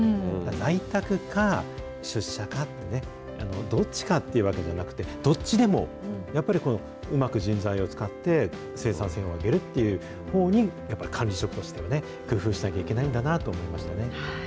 在宅か、出社かってね、どっちかっていうんじゃなくて、どっちでも、やっぱりうまく人材を使って、生産性を上げるっていうほうにやっぱり管理職としてね、工夫しなきゃいけないんだなと思いましたね。